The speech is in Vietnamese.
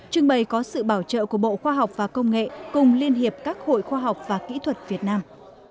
trưng bày có sự bảo trợ của bộ khoa học và công nghệ cùng liên hiệp các hội khoa học và kỹ thuật việt nam